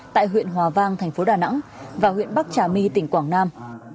tại huyện hòa vang thành phố đà nẵng và huyện bắc trà my tỉnh quảng nam